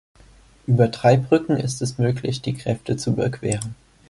Über drei Brücken ist es möglich, die Gräfte zu überqueren.